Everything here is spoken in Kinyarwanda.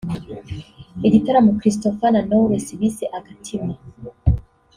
Igitaramo Christopher na Knowless bise ‘Agatima’